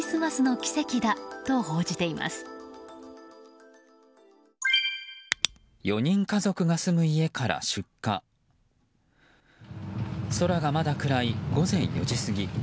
空がまだ暗い午前４時過ぎ